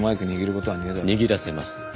握らせます。